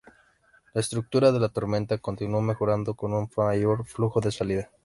La estructura de la tormenta continuó mejorando, con un mayor flujo de salida.